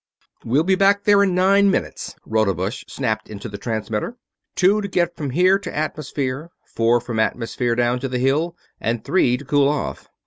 "We'll be back there in nine minutes!" Rodebush snapped into the transmitter. "Two to get from here to atmosphere, four from Atmosphere down to the Hill, and three to cool off.